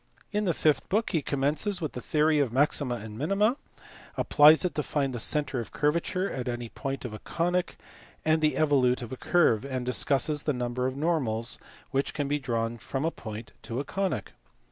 In the fifth book he commences with the theory of maxima and minima; applies it to find the centre of curva ture at any point of a conic, and the evolute of the curve; and discusses the number of normals which can be drawn from a point to a conic.